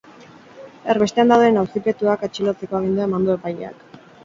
Erbestean dauden auzipetuak atxilotzeko agindua eman du epaileak.